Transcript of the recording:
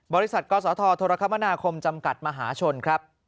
บริษัทกศธธคมจำกัดมหาชนครับ